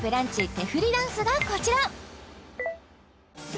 手振りダンスがこちら）